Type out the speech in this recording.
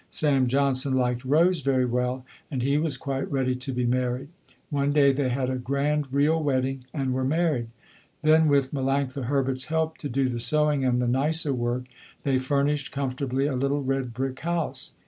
Sam Johnson liked Rose very well and he was quite ready to be married. One day they had a grand real wedding and were married. Then with Melanctha Herbert's help to do the sewing and the nicer work, they furnished comfortably a little red brick house.